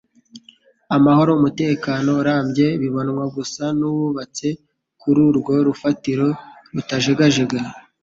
Amahoro umutekano urambye bibonwa gusa n'uwubatse kuri urwo rufatiro rutajegajega.